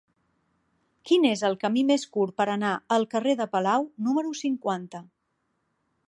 Quin és el camí més curt per anar al carrer de Palau número cinquanta?